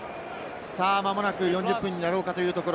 まもなく４０分になろうかというところ。